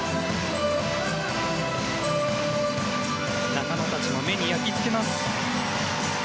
仲間たちの目に焼き付けます。